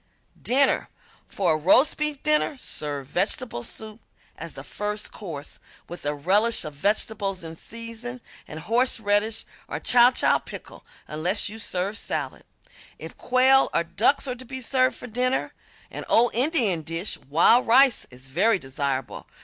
~Dinner~ For a roast beef dinner serve vegetable soup as the first course, with a relish of vegetables in season and horseradish or chow chow pickle, unless you serve salad. If quail or ducks are to be served for dinner, an old Indian dish, wild rice, is very desirable.